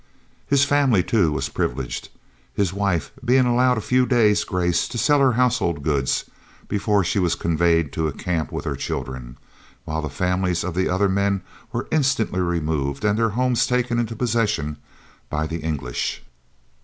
His family, too, was privileged, his wife being allowed a few days' grace to sell her household goods before she was conveyed to a camp with her children, while the families of the other men were instantly removed and their homes taken into possession by the English.